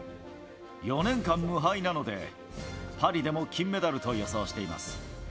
４年間無敗なので、パリでも金メダルと予想しています。